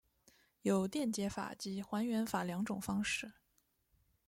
有电解法及还原法两种方式。